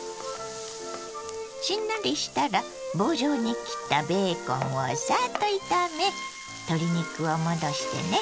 しんなりしたら棒状に切ったベーコンをサッと炒め鶏肉を戻してね。